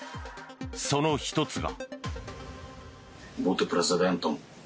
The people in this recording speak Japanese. その１つが。